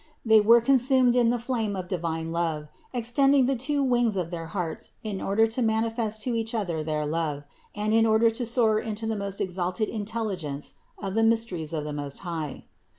They were consumed in the flame of divine love, extending the two wings of their hearts in order to manifest to each other their love and in order to soar into the most exalted intelligence of the mys teries of the Most High.